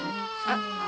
あっ！